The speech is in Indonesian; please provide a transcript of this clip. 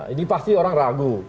ini pasti orang ragu